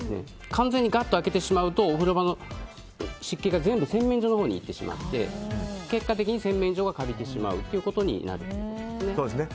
完全に開けてしまうとお風呂場の湿気が全部洗面所のほうにいってしまって結果的に洗面所がかびてしまうことになるんですね。